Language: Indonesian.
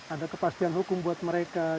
ada kepastian hukum buat mereka